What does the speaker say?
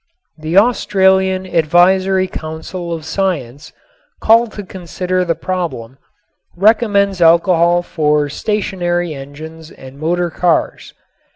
The Australian Advisory Council of Science, called to consider the problem, recommends alcohol for stationary engines and motor cars.